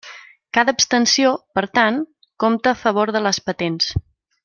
Cada abstenció, per tant, compta a favor de les patents.